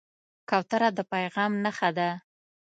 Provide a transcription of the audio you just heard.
کوتره د پیغام نښه ده.